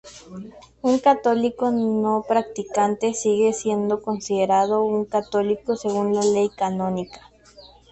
Un católico no practicante sigue siendo considerado un católico según la ley canónica.